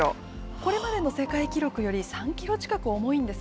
これまでの世界記録より３キロ近く重いんです。